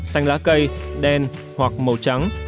xanh lá cây đen hoặc màu trắng